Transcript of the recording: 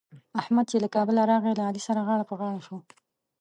احمد چې له کابله راغی؛ له علي سره غاړه په غاړه شو.